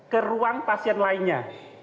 ke ruang pasien lainnya